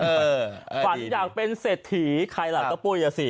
ฝันอยากเป็นเศรษฐีใครล่ะก็ปุ้ยอ่ะสิ